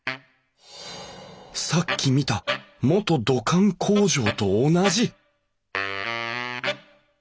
さっき見た元土管工場と同じ！